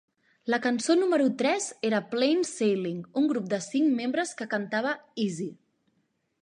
La cançó número tres era Plain Sailing, un grup de cinc membres que cantava "Easy".